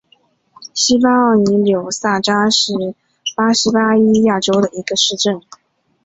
马西奥尼柳索扎是巴西巴伊亚州的一个市镇。